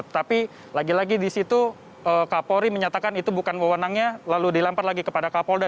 tetapi lagi lagi di situ kapolri menyatakan itu bukan mewenangnya lalu dilempar lagi kepada kapolda